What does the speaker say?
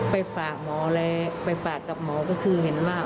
ไปฝากหมออะไรไปฝากกับหมอก็คือเห็นว่า